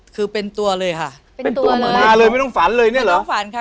คือเป็นตัวเลยค่ะเป็นตัวเหมือนมาเลยไม่ต้องฝันเลยเนี่ยเหรอต้องฝันค่ะ